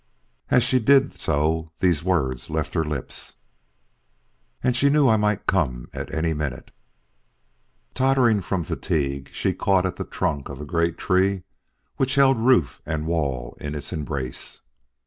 As she did so, these words left her lips: "And she knew I might come at any minute!" Tottering from fatigue, she caught at the trunk of a great tree which held roof and wall in its embrace.